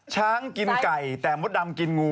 ช้างกินไก่แต่มสดำกินงู